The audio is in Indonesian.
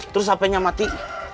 terus hapenya mati